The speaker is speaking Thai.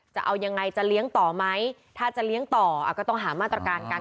จะเอายังไงจะเลี้ยงต่อไหมถ้าจะเลี้ยงต่อก็ต้องหามาตรการกัน